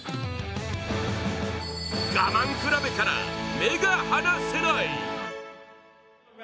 我慢比べから目が離せない。